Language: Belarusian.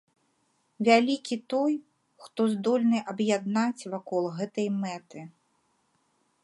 Вялікі той, хто здольны аб'яднаць вакол гэтай мэты.